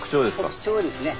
特徴ですね。